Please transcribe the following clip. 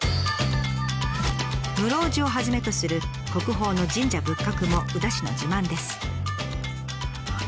室生寺をはじめとする国宝の神社仏閣も宇陀市の自慢です。